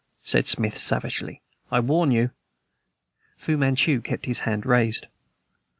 said Smith savagely. "I warn you!" Fu Manchu kept his hand raised.